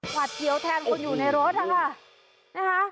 วัดเขียวแทนคนอยู่ในรถนะคะ